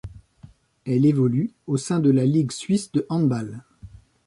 Elle évolue au sein de la Ligue suisse de handball.